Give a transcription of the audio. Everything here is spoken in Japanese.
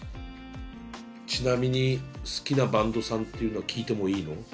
ちなみに好きなバンドさんっていうのは聞いてもいいの？